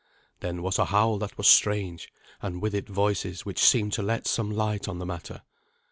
Then was a howl that was strange, and with it voices which seemed to let some light on the matter.